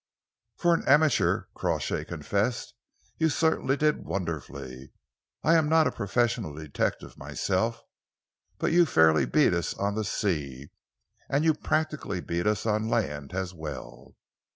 "For an amateur," Crawshay confessed, "you certainly did wonderfully. I am not a professional detective myself, but you fairly beat us on the sea, and you practically beat us on land as well."